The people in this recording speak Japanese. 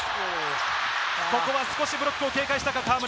ここは少しブロックを警戒したか、河村。